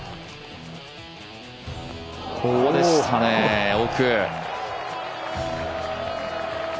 これでしたね、奥。